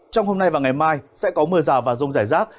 trong hôm nay và ngày mai sẽ có mưa rào và rông rải rác